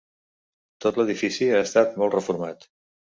Tot l'edifici ha estat molt reformat.